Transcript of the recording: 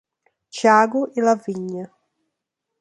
Thiago e Lavínia